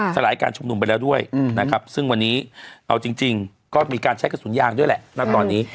สลายการชุมนุมไปแล้วด้วยนะครับซึ่งวันนี้เอาจริงก็มีการใช้กระสุนยางด้วยแหละณตอนนี้